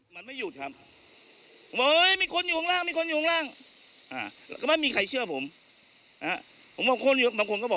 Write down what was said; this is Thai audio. สะบัดอย่างนี้หมุนอย่างนี้ครับ